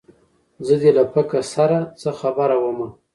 زه دې له پکه سره څه خبره ومه